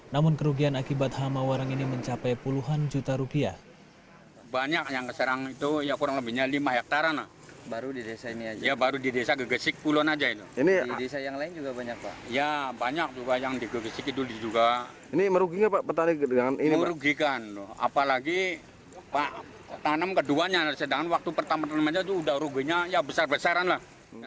namun kerugian akibat hama warang ini mencapai puluhan juta rupiah